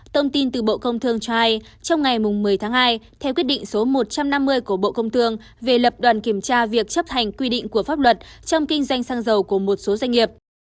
thông tin từ bộ công thương cho hay trong ngày một mươi tháng hai theo quyết định số một trăm năm mươi của bộ công thương về lập đoàn kiểm tra việc chấp hành quy định của pháp luật trong kinh doanh xăng dầu của một số doanh nghiệp